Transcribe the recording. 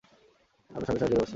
আমরা সঙ্গে-সঙ্গে খেতে বসে গেলাম।